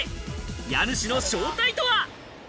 家主の正体とは。